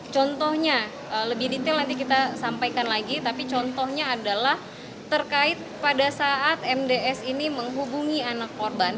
contohnya lebih detail nanti kita sampaikan lagi tapi contohnya adalah terkait pada saat mds ini menghubungi anak korban